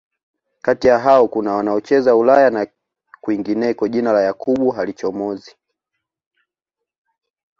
Kati ya hao kuna wanaocheza Ulaya na kwingineko Jina la Yakub halichomozi